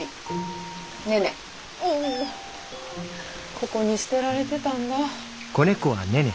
ここに捨てられてたんだ。